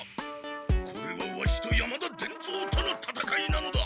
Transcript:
これはワシと山田伝蔵とのたたかいなのだ！